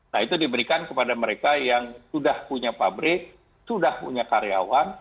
nah itu diberikan kepada mereka yang sudah punya pabrik sudah punya karyawan